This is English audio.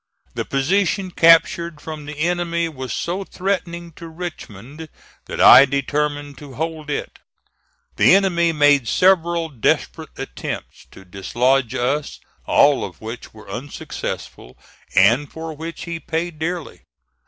The position captured from the enemy was so threatening to Richmond, that I determined to hold it. The enemy made several desperate attempts to dislodge us, all of which were unsuccessful, and for which he paid dearly.